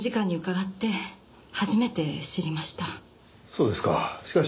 そうですか。